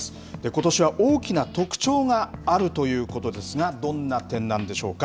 ことしは大きな特徴があるということですが、どんな点なんでしょうか。